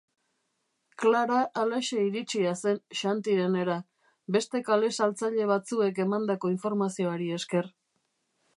Klara halaxe iritsia zen Xantirenera, beste kale-saltzaile batzuek emandako informazioari esker.